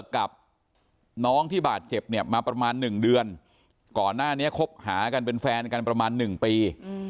ก่อนหน้านี้คบหากันเป็นแฟนกันประมาณ๑ปี